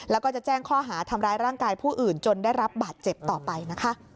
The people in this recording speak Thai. แล้วก็จะแจ้งข้อหาทำร้ายร่างกายผู้อื่นจนได้รับบาดเจ็บต่อไปนะคะ